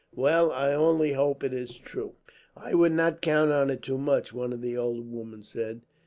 Well, I only hope it is true." "I would not count on it too much," one of the older women said.